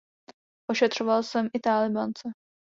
Ošetřoval jsem i Tálibánce.